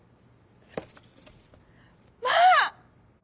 「まあ！」。